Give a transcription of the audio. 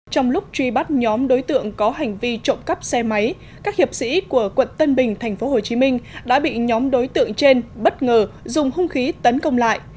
trong lúc truy bắt nhóm đối tượng có hành vi trộm cắp xe máy các hiệp sĩ của quận tân bình tp hcm đã bị nhóm đối tượng trên bất ngờ dùng hung khí tấn công lại